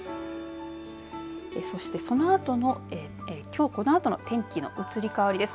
そしてきょうこのあとの天気の移り変わりです。